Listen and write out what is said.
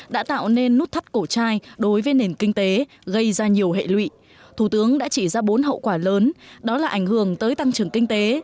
đã tạo nên nút thắt cổ trai đối với nền kinh tế gây ra nhiều hệ lụy thủ tướng đã chỉ ra bốn hậu quả lớn đó là ảnh hưởng tới tăng trưởng kinh tế